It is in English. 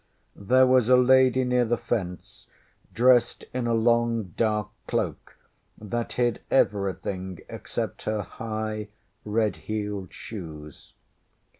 ŌĆÖ There was a lady near the fence dressed in a long dark cloak that hid everything except her high red heeled shoes.